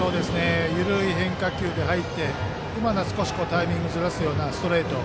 緩い変化球で入って今のは少しタイミングをずらすようなストレート。